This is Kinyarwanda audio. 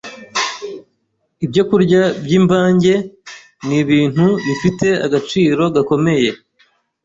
ibyokurya by’imvange ni ibintu bifite agaciro gakomeye,